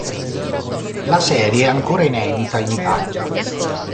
La serie è ancora inedita in Italia.